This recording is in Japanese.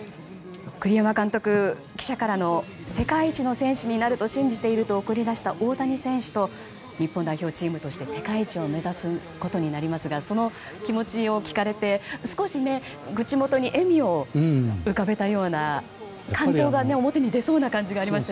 栗山監督、記者からの世界一の選手になると信じていると送り出した大谷選手と日本代表チームとして世界一を目指すことになりますがその気持ちを聞かれて少し口元に笑みを浮かべたような、感情が表に出そうな感じがありました。